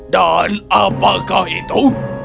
dan apakah itu